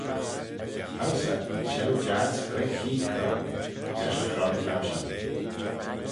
Howse eh yn cheu-jiass queig cheead cron, lesh y chron-towshan.